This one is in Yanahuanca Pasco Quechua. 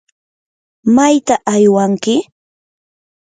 ¿mayta aywanki?